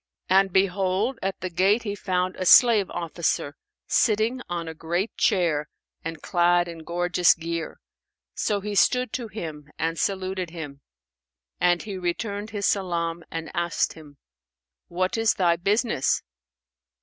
And behold, at the gate he found a slave officer sitting on a great chair and clad in gorgeous gear; so he stood to him and saluted him; and he returned his salam and asked him, "What is thy business?"